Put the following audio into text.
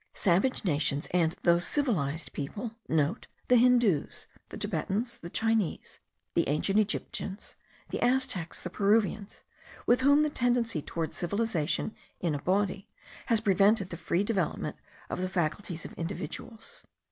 Savage nations, and those civilized people* (* The Hindoos, the Tibetians, the Chinese, the ancient Egyptians, the Aztecs, the Peruvians; with whom the tendency toward civilization in a body has prevented the free development of the faculties of individuals.)